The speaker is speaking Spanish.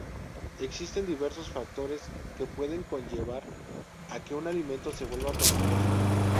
Existen diversos factores que pueden conllevar a que un alimento se vuelva peligroso.